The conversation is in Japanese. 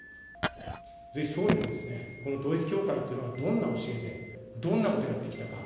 総理も統一教会っていうのはどんな教えで、どんなことやってきたか。